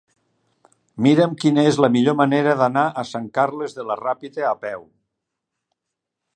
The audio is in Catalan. Mira'm quina és la millor manera d'anar a Sant Carles de la Ràpita a peu.